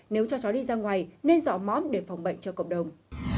nếu cho chó đi ra ngoài nên dọ mõm để phòng bệnh cho cộng đồng